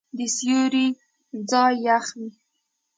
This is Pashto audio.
د سیوري ځای یخ وي.